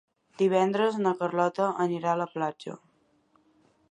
Divendres na Carlota anirà a la platja.